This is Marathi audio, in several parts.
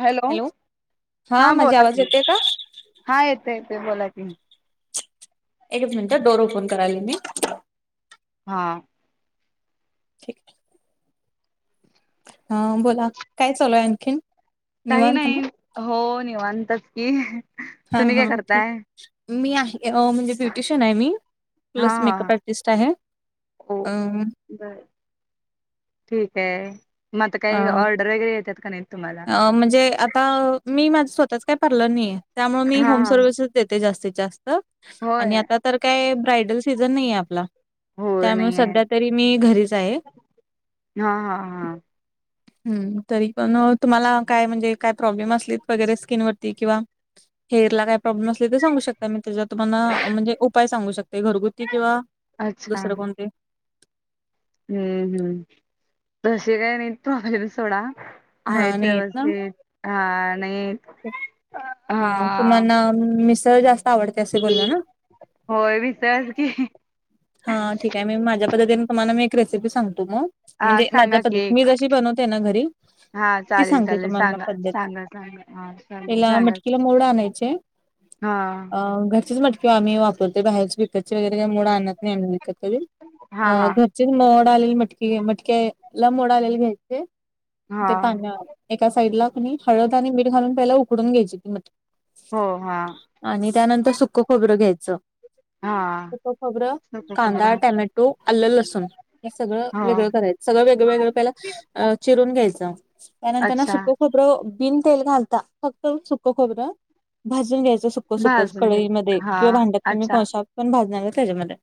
हॅलो, हा माझी बोला आवाज की येते का? हा येते येते बोला की. एकच मिनटं हा डोर ओपन कराले मी. हा. ठीक आहे. ह बोला काय चालूय आणखीन? काही निवांत ना? नाही हो निवांत की. हा तुम्ही काय हा ठीक, करताय मी आहे अ म्हणजे ब्युटिशियन आहे मी. हा प्लस हा मेकअप आर्टिस्ट आहे हो अम्म. बर ठीक आहे म आता अ काही ऑर्डर वगैरे येतात का नाही तुम्हाला? अ म्हणजे आता मी माझं स्वतःच काय पार्लर नाहीेये, त्यामुळे मी हा होम हा सर्विसेस देते जास्तीत जास्त. आणि होय आता तर काय ब्रायडल सीझन नाही आहे आपला. होय त्यामुळे नाही आहे सध्या तरी मी घरीच आहे. हा हा हा. हम्म तरी पण तुम्हाला काय म्हणजे काय प्रॉब्लेम असले वगैरे स्किन वरती किंवा. हेअर ला काय प्रॉब्लेम असले त सांगू शकता मी त्याच्या तुम्हाला म्हणजे, उपाय सांगू शकते घरगुती किंवा अच्छा. दुसरं कोणते? हम्म हम्म, तसे काय नाही प्रॉब्लेम सोडा. हा आहेत नाही व्यवस्थित, हा आणि एक, अम्म तुम्हाला मिसळ जास्त आवडते असे बोलला ना? होय मिसळच की. हा ठीक आहे, मी माझ्या पद्धतीने तुम्हाला मी एक रेसिपी सांगतो मग. हा म्हणजे माझ्या सांगा पद्धती की मी जशी बनवते ना घरी. हा ती चालेल सांगते चालेल तुम्हाना सांगा पद्धत सांगा सांगा हा चालेल पहिला सांगा मटकीला मोड आणायचे. हा अम्म घरचीच मट किंवा आम्ही वापरते बाहेरच विकतचे वगैरे का मोड आणत नाही आम्ही विकत घर. हा हा ची मोड आलेल मटकी मटक्या ला मोड आलेल घ्यायचे हा ते पाण्यात. एका साइड ला हळद आणि मीठ घालून पहिला उकडून घ्यायची ती मटकी हो हा आणि त्यानंतर सुक्कं खोबरं घ्यायचं हा सुक्कं खोबरं खबर कांदा, टोमॅटो, आलं, लसूण हे सगळं हो वेगळं करायचं सगळं वेगळंवेेगळं पहिला चिरून घ्यायचं त्यानंतर ना अच्छा सुक्कं खो बरं बिन तेल घालता फक्त सुक्कं खोबरं भाजून घ्यायचं सुक सुखच भाजून घे कडईमध्ये हा किंवा भांड्यात तुम्ही अच्छा कौशात पण भाजणार आहे त्याच्यामध्ये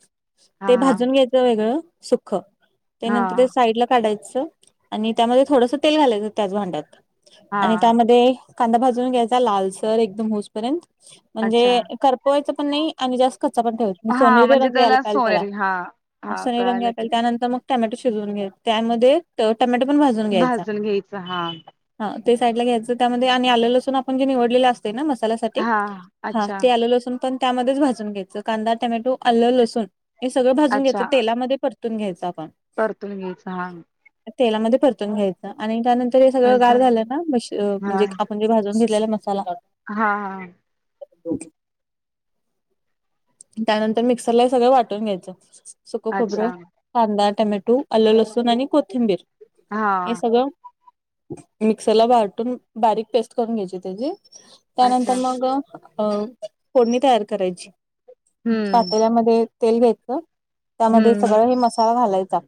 हा ते हा भाजून घ्यायचं वेगळं सुख्खं. हा त्यानंतर ते साईडला काढायचं आणि त्यामध्ये थोडसा तेल घालायचं त्याच भांड्यात. आणि हा त्यामध्ये कांदा भाजून घ्यायचा लालसर एकदम होसपर्यंत अच्छा म्हणजे करपवायं पण नाही आणि जास्त कच्चा पण ठेवत हा सोनेरी म्हणजे रंग यायला याल त्याला सोनेरी हा हा सोनेरी रंग कळालं याल की त्यानंतर मग टमॅटो शिजून घ्या त्यामध्ये ट टोमॅटो पण भाजून घ्यायचा. घ्यायचं हा हा ते साइडला त्यामध्ये आणि आलं, लसूण आपण जे निवडलेले अस ते ना मसाल्यासाठी हा हा अच्छा ते आलं, लसण पण त्यामध्येच भाजून घ्यायचं कांदा, टोमॅटो, आलं, लसूण हे सगळं भाजून अच्छा घ्यायचं तेलामध्ये परतून घ्यायच आपण. परतून घ्यायचं हा. तेलामध्ये परतून घ्यायचं आणि त्यानंतर हे सगळं अच्छा गार झालं ना मशी हा म्हणजे आपण जे भाजून घेतलेला मसाला हा हा. त्यानंतर मिक्सरला सगळं वाट टुन घ्यायच सुक्कं अच्छा खोबरं, कांदा, टमॅटो, आलं, लसूण आणि कोथिंबीर हे हा सगळं मिक्सरला वाटून बारीक पेस्ट करून घ्यायची त्याची त्यानंतर अच्छा मग अ फोडणी तयार करायची हम्म पातेल्यामध्ये तेल घ्यायचं त्यामध्ये हम्म सगळा हे मसाला घालायचा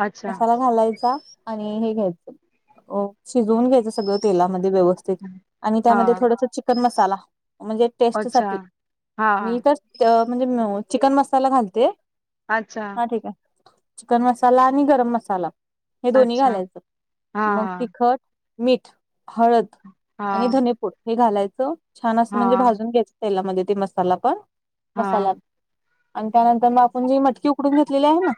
अच्छा मसाला घालायचा आणि हे घ्यायचं शिजवून घ्यायचं तेलामध्ये व्यव स्थित आणि हा त्यामध्ये थोडस चिकन मसाला म्हणजे टेस्ट अच्छा साठी हा मी तर तर मयो म्हणजे चिकन मसाला घालते अच्छा हा ठीक आहे. चिकन मसाला आणि गरम मसाला हे दोन्ही अच्छा घालायचं हा मग तिखट मीठ, हळद हा धनेपूड हे छान असं हा म्हणजे भाजून घ्यायच तेलामध्ये ते मसाला पण. मसाला हा. आणि त्यानंतर मग आपण जी मटकी उकडून घेतलेली आहे ना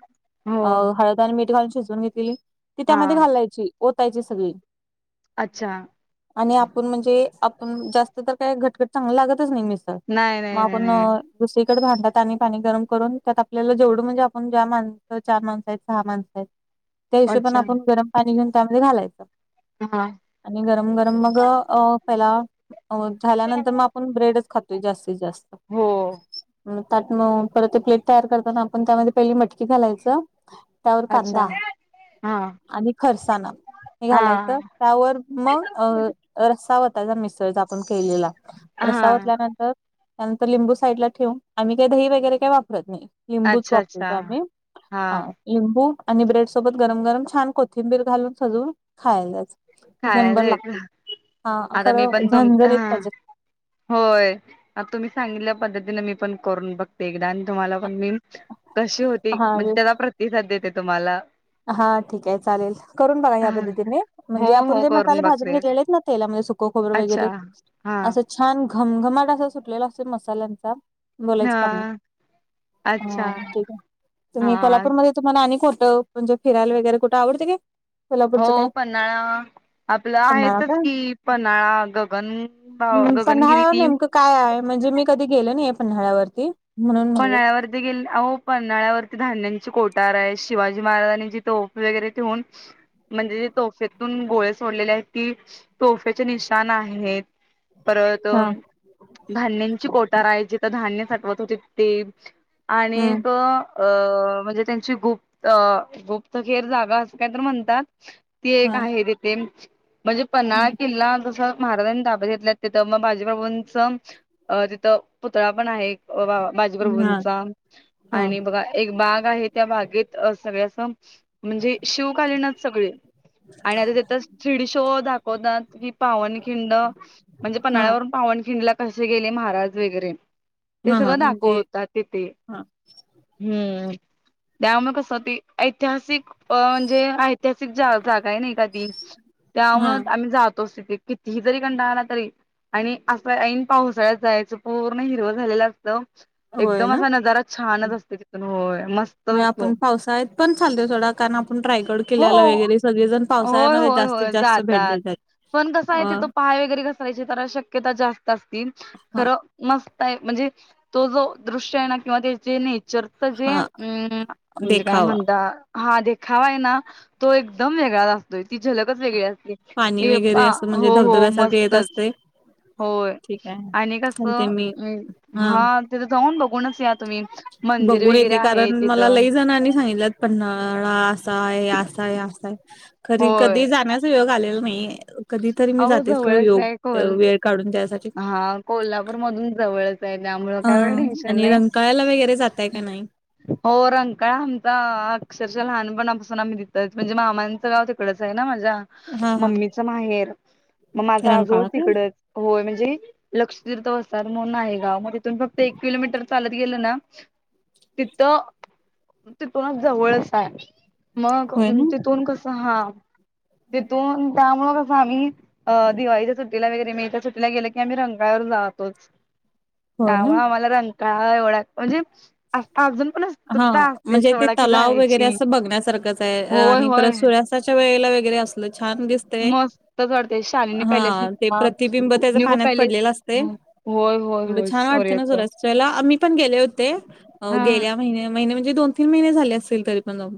हो अ हळद त्यांनी मीठ घालून शिजवून घेतलेली ती हा त्यामध्ये घालायची ओतायची सगळी. अच्छा आणि आपुण म्हणजे आपूण जास्त तर काय घटघट चांगलं लागतच नाही मिस तं नाही मग नाही नाही आपण नाही दुसरीकडे भांड्यात आणि पाणी गरम करून त्यात आपल्याला जेवढं म्हणजे आपण ज्या माणसं चार माणसं आहेत सहा माणसं आहेत त्या हिशोबाने अच्छा आपण गरम पाणी घेऊन त्यामध्ये घालायचं. हा आणि गरम गरम मग अ पहिला अ झाल्यानंतर मग पण ब्रेडच खातोय जास्तीत जास्त. हो म परत ते प्लेट तयार करताना आपण त्यामध्ये पहिली मटकी घालायचं त्यावर अच्छा कांदा हा आणि खरसाना हे घालायचं. हा त्यावर मग अ रस्सा ओतायचा मिसळचा आपण केलेला. रस्सा हा वतल्या या नंतर लिंबू साईडला ठेवून काही दही वगैरे काही वापरत नाही. लिंबूच अच्छा अच्छा वापरतो आम्ही हा. लिंबू आणि ब्रेड सोबत गरम गरम छान कोथिंबीर घालून सजवून खायला द्याचं एक खायला नंबर येत लागते. हा आता मी खरं पण तुम झणझणीत हा पाहिजे. होय. आता तुम्ही सांगितल्या पद्धतीने मी पण करून बघ ते एकदा आणि तुम्हाला पण मी कशी होती हा म्हणजे त्याचा प्रतिसाद देते तुम्हाला. हा ठीक आहे चालेल करून बघा या हा पद्धतीने. हो म्हणजे आपण हो जे मसाले करून भाजून बघते घेतलेलेत ना तेलामध्ये सुकं खोबर अच्छा वगैरे हा असं छान घमघमाट असा सुटलेला असतोय मसाल्यांचा. हा बोलायचं काम नाही. अच्छा हा, ठीक आहे. तुम्ही हा कोल्हापूरमध्ये तुम्हाला आणि कोठ म्हणजे फिरायला वगैरे कुठं आवडते काय? हो कोल्हापूरचं काय पन्हाळा. आपलं पन्हाळा आहेतच का की पन्हाळा, गगन भाव हम्म, गगनगिरी पन्हाळ्यावर ती नेमकं काय आहे म्हणजे मी कधी गेलो नाही पन्हाळ्यावरती म्हणून म्हणले पन्हाळ्यावर ती गेली, अहो पन्हाळ्यावरती धान्यांची कोठार आहे. शिवाजी महाराजांची तोफ वगैरे ठेवून म्हणजे जे तोफेतून गोळे सोडलेले आहेत ती तोफेंचे निशान आहेत. परत हा धान्यची कोठार आहे, जिथं धान्य साठवत होतीत. ते हम्म आणिक अ म्हणजे त्यांची गुप्त अ गुप्तहेर जागा अशी काहीतर म्हणतात. ती एक हा आहे तिथे म्हणजे पन्हाळा हम्म, किल्ला जसं महाराजांनी ताब्यात घेतल्यात तिथं मग बाजीप्रभूंच अ तिथं पुतळा पण आहे एक. अं बा हा बाजीप्रभूंचा हा आणि बघा एक बाग आहे त्या बागेत सगळे असं म्हणजे शिवकालीनचं सगळी आणि आता तिथं थ्रीडी शो दाखवतात. की पावनखिंड म्हणजे हा पन्हाळ्यावरून पावनखिंडला कसे गेले महाराज वगैरे. ते हा हा सगळं दाख म्हणजे त्या तिथं हा हम्म त्यामुळे कसं ती ऐतिहासिक अ म्हणजे ऐतिहासिक जा-जागा आहे नाही का ती, हा त्यामुळे आम्ही जातोच तिथे. कितीही जरी कंटाळा आला तरी आणि असं ऐन पावसाळ्यात जायचं. पूर्ण हिरवं झालेलं असतं होय एकदम ना? असा नजारा छानच असतो तिथून होय मग मस्तच असतो आपण पावसाळ्यात पण चाललोय सोडा. कारण आपण रायगड किल्ल्याला हो वगैरे सगळेजण होय पावसाळ्यामध्ये होय जास्तीत होय जास्त भेट जातात. देतात. पण कसं आहे अ तिथं पाय वगैरे घसरायची जरा शक्यता जास्त असती. हा खरं मस्त आहे म्हणजे तो जो दृश्य आहे ना किंवा त्याचे न चर्त जे हा अम्म म्हणजे काय देखावा म्हणता हा देखावा आहे ना तो एकदम वेगळाच असतोय ती झलकच वेगळी असती. पाणी ए वगैरे पा असं म्हणजे हो हो धबधब्यासारखे येत मस्तच. असते होय. ठीक आहे आणि कसं चालते मी हम्म हा तिथं जाऊन बघूनच त्यात तुम्ही मंदिर वगैरे आहे तिथं. [unintelligible] आणि सांगितल्यात. पन्हाळा असा आहे, असा आहे, असा आहे. खरी कधी होय. जाण्याचा योग आलेला नाहीये. कधी तरी मी अहो जातेस खरं जवळच योग आहे कोल वेळ काढून घ्यायसाठी हा कोल्हापूर मधून जवळच आहे त्यामुळं अ काय एवढं टेन्शन आणि नाही. रंकाळ्याला वगैरे जाताय का नाही हो रंकाळ आमचा अक्षरशः लहानपणापासून आम्ही तिथं हाय म्हणजे मामाचं गाव तिकडचं आहे ना माझ्या हा हा मम्मीच माहेर, मग माझा आजोळ रंकाळा काय तिकडचं. होय म्हण म्हणजे लक्ष [unintelligible] म्हूऊन आहे गाव. मग तिथून फक्त एक किलोमीटर चालत गेलं ना तिथं तिथूनच जवळ आहे, मग होय ना तिथून कसं सहा तिथून त्यामुळं कसं आम्ही अ दिवाळीच्या सुट्टीला वगैरे मेच्या सुटीला गेलं की आम्ही रंकाळ्यावर जातोच. हो ना त्यामुळे आम्हाला रं काळा एवढा हाय, म्हणजे आता अजूणपण असं हां म्हणजे ते तलाव वगैरे असं बघण्यासारखंच आहे होय आणि होय. परत सूर्या स्ताच्या वेळेला वगैरे असलं छान दिस तर मस्तच वाटते शालिनी पॅलेस हां. ते म्हणा, प्रतिबिंब त्याजं न्यू पाण्यात पॅलेस पडलेलं असतंय. होय होय. एवढं होय छान वाटते ना सोर्याचं. सूर्यास्ताच्या वेळेला, आ मीपण गेले होते हा गेल्या महिने महिने म्हणजे दोन तीन महिने झाले असतील तरी पण जाऊन.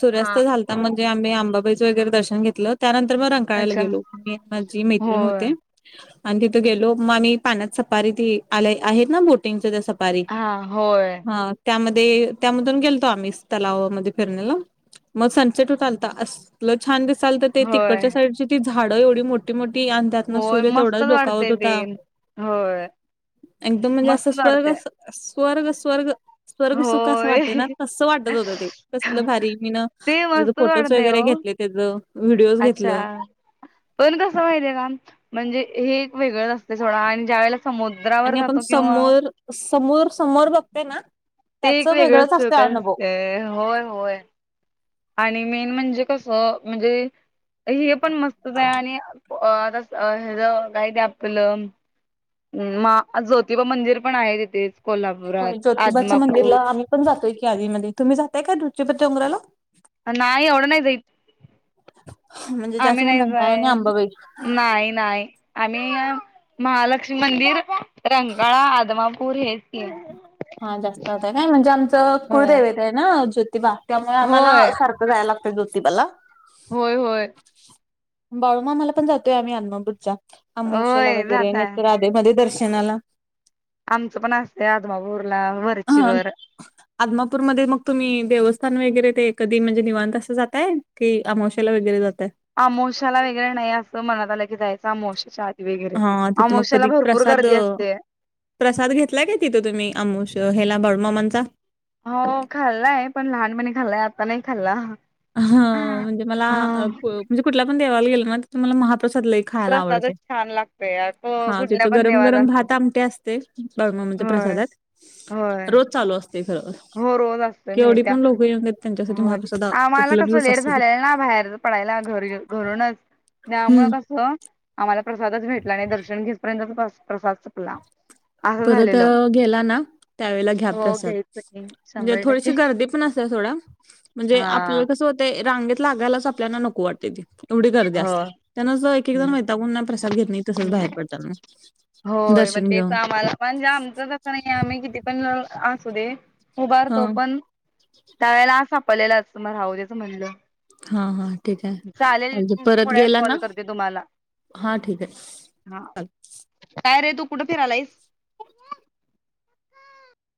सूर्यास्त हा. झाल या म्हणजे आम्ही आंबाईचं वगैरे दर्शन घेतलं. त्यानंतर मग रं काळ्याला अच्छा गेलो. मी माझी मैत्रिण होय होते. आणि तिथं गेलो मग आम्ही पाण्यात सपारी ती आल्या आहेत ना बोटिंगचं त्या सप बारीक हा होय हां. त्या मध्ये त्यामधून गेलतो आम्ही तलावामध्ये फिरण्याला. मग सनसेट होत आलता अस सलं छान दिसालतं ते, होय तिकडच्या साईडची ती झाडं एवढी मोठी मोठी या त्यातनं होय सूर्य तेवढाच मस्तच डोकावत वाटतय ते होता. होय एकदम म्हणजे अस मस्तच वाटतय स्वर्गच स्वर्ग स्वर्ग स्वर्गसुख असं होय वाटतंय ना, तसं वाटत होतं ते. कसलं भारी मीनं ते त्याज मस्तच फोटोज वाटतय वगैरे ओ घेतले तेजं. अच्छा. पण कसं माहितीय का, म्हणजे हे एक वेगळं असत सोडा आणि ज्या वेळेला समुद्रावर आणि आपण जातो किंवा समोर समोर समोर बघते ना ते त्याच एक वेगळं वेगळंच असते सुख अनुभव असतंय, होय होय. आणि मेन म्हणजे कसं म्हणजे हे पण मस्तच आहे आणि अ आता अ हेजं काय ते आपलं म ज्योतिबा मंदिर पण आहे तिथेच कोल्हा होय ज्योतिबाचं मंदिरला आम्ही पण जातोय की आधीमधी. तुम्ही जाताय काय जोतिबाच्या डोंगराला? नाही एवढं नाही जाईत. म्हणजे जास्त आम्ही करून नाही रंकाळा आणि जाय अंबाबाई नाही नाही. आम्ही महालक्ष्मी मंदिर, रंकाळा, आदमापूर हेच केलं. हां जास्त होतय काय, म्हणजे आमचं होय कुळदैवेत आहे ना ज्योतिबा त्यामुळे आम्हाला होय सार आं जायाय लागतंय ज्योतिबाला. होय होय. बाळूमामाला पण जातोय आम्ही आदमापूरच्या, अमावासेला होय वगैरे जाताय नाहीतर आ धेमध्ये दर्शनाला. आमचंपण असंतय आदमापुरला व अहं. आदमापूरमध्ये मग तुम्ही देवस्थान वगैरे ते कधी म्हणजे निवांत असं जाताय की अमावसेला वगैरे जाताय? अमावस्येला वगैरे नाही असं मनातं आलं की जायचं, अमावशेच्या आधी. वगैरे, हा तिथं मग अमोवस्याला कधी भरपूर प्रसाद गर्दी असते. प्रसाद घेतलाय काय तिथं तुम्ही अमोशा हेला बाळु मामांचा? हो खाल्लाय पण लहानपणी खाल्लाय, आता नाही खाल्ला. ह म्हणजे मला हा कुठल्या पण देवाला गेल ना. तिथला मला महाप्रसाद लै खायला आवडते. प्रसादच छान लागतोय हा गुडल्या तिथं पण गरम देवाचा गरम असतो भात आमटी असते बाळु मामाच्या होय प्रसादात. होय रोज चालू असते खरं. हो रोज असतोय केवढी माहिती पण लोक येऊ देत. तेच्यासाठी होय महाप्रसादा आम्हाला ‌कसं लेट झालेल ना, बाहेर पडायला घ घरूनच त्यामुळं हम्म कसं. आम्हाला प्रसादच भेटला नाही. दर्शन घेवू स्तो पर्यंत प्रसाद संपला. असं परत झालेलं. गेला ना, त्यावेेळेला घ्या हो प्रसाद. घ्यायचं की म्हणजे शंभर टक्के. थोडीशी गर्दी पण असते सोडा. म्हणजे हा आपल्याला कसं होते. ते रांगेत लागायलाच आपल्याला नको वाटते ते. एवढी गर्दी हो असत्या. त्याना एक एक जण हम्म. वैतागून प्रसाद घेत नाही, तसंच बाहेर पडतात मग. होय मग दर्शन तेचं घेऊन आम म्हणजे आमच तसं नाही. आम्ही किती पण असू दे हा उभारतो पण. त्या वेळेला सपलेलाच मग राहू देच म्हणलं. हा हा ठीक चालेल ये थोड्या परत वेळात गेला कॉल ना, करते तुम्हाला हा ठीक ये. हा काय रे तू कुठं फिरायलास.